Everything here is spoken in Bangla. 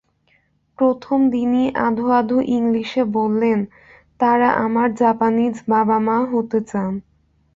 প্রথম দিনই আধো আধো ইংলিশে বললেন, তাঁরা আমার জাপানিজ বাবা-মা হতে চান।